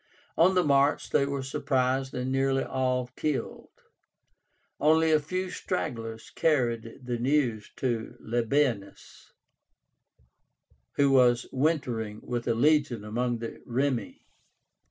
On the march they were surprised and nearly all killed. Only a few stragglers carried the news to Labiénus, who was wintering with a legion among the Remi.